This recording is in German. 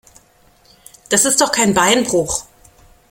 Das ist doch kein Beinbruch.